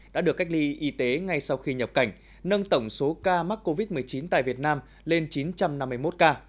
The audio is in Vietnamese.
đã được cách ly y tế ngay sau khi nhập cảnh nâng tổng số ca mắc covid một mươi chín tại việt nam lên chín trăm năm mươi một ca